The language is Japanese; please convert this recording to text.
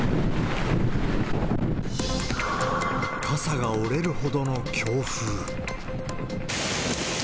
傘が折れるほどの強風。